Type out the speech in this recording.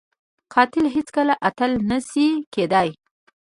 قاتل هیڅ کله اتل نه شي کېدای